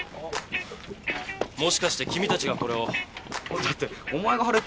もしかして君たちがこれを？だってお前がはれって言ったんだろ？